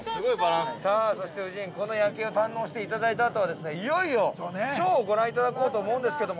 さあ、そして、夫人この夜景を堪能していただいたあとは、いよいよショーをご覧いただこうと思うんですけども。